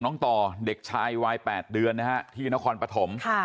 ต่อเด็กชายวัย๘เดือนนะฮะที่นครปฐม